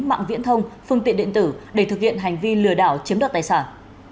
mạng viễn thông phương tiện điện tử để thực hiện hành vi lừa đảo chiếm đoạt tài sản